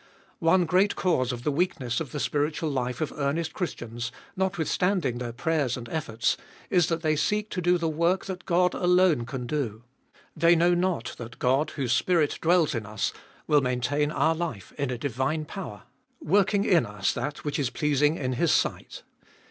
One great cause of the weakness of the spiritual life of earnest Christians, notwithstanding their prayers and efforts, is that they seek to do the work that God alone can do. They know not that God, whose Spirit dwells in us, will maintain our life in a divine power, working in us that which is pleasing in His sight.